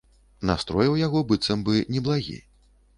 Настрой у яго быццам бы неблагі.